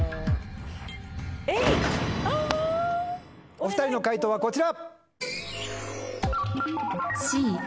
お２人の解答はこちら。